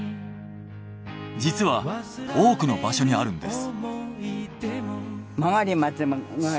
実は多くの場所にあるんです。